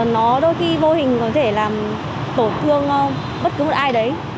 nó đôi khi vô hình có thể làm tổn thương bất cứ một ai đấy